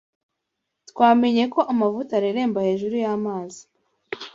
Twamenye ko amavuta areremba hejuru y'amazi.